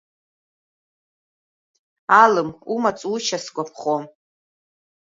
Алым умаҵушьа сгәаԥхом.